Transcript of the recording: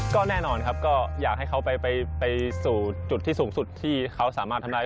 ก็แน่นอนครับก็อยากให้เขาไปสู่จุดที่สูงสุดที่เขาสามารถทำได้